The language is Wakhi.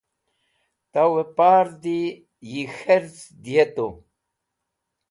tow pardi yi k̃herz dyetu